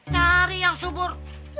cari yang subur